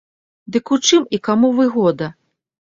Дык у чым і каму выгода?